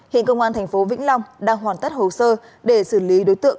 hiện công an thành phố vĩnh long đang hoàn tất hồ sơ để xử lý đối tượng